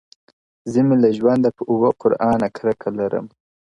o زه مي له ژونده په اووه قرآنه کرکه لرم،